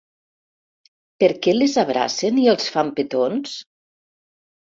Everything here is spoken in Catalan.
Per què les abracen i els fan petons?